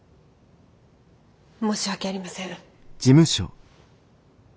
申し訳ありません。